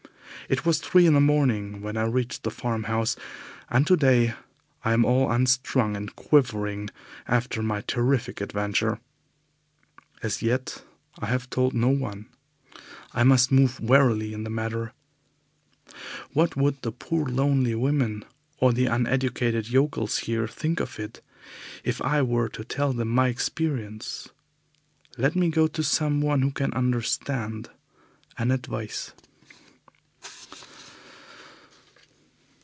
It was three in the morning when I reached the farm house, and today I am all unstrung and quivering after my terrific adventure. As yet I have told no one. I must move warily in the matter. What would the poor lonely women, or the uneducated yokels here think of it if I were to tell them my experience? Let me go to someone who can understand and advise.